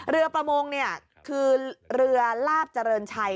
เรือประมงเนี่ยคือเรือลาบเจริญชัย